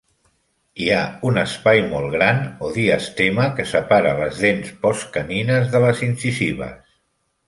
Hi ha un espai molt gran, o diastema, que separa les dents postcanines de les incisives.